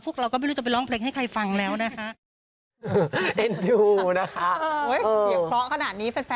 เราก็ไม่รู้จะไปร้องเพลงให้ใครฟังแล้วนะฮะ